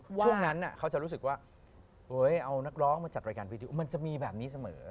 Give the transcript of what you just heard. ช่วงนั้นเขาจะรู้สึกว่าเอานักร้องมาจัดรายการวีดีโอมันจะมีแบบนี้เสมอ